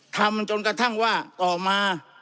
ทำจนกระทั่งว่าต่อมา